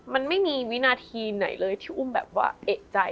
มันไม่มีวินาทีไหนเลยที่อุ้มแบบว่าเอกใจ